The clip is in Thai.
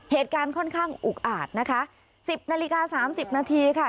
เหตุการณ์ค่อนข้างอุกอาจนะคะสิบนาฬิกาสามสิบนาทีค่ะ